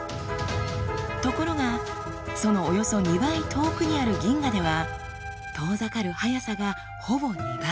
ところがそのおよそ２倍遠くにある銀河では遠ざかる速さがほぼ２倍。